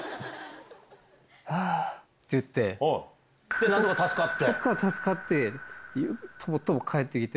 で何とか助かって？